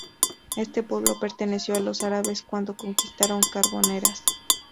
Este pueblo perteneció a los árabes cuando conquistaron Carboneras.